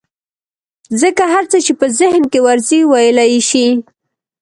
ځکه هر څه چې په ذهن کې ورځي ويلى يې شي.